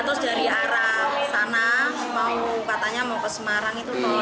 lalu dari arah sana katanya mau ke semarang itu